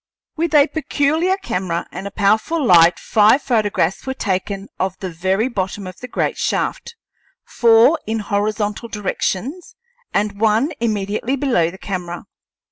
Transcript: With a peculiar camera and a powerful light five photographs were taken of the very bottom of the great shaft, four in horizontal directions and one immediately below the camera.